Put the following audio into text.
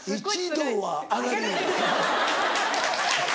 「１度は上がる」。